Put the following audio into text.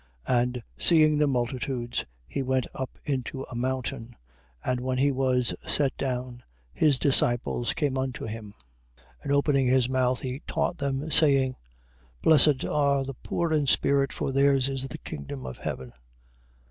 5:1. And seeing the multitudes, he went up into a mountain, and when he was set down, his disciples came unto him. 5:2. And opening his mouth he taught them, saying: 5:3. Blessed are the poor in spirit: for theirs is the kingdom of heaven.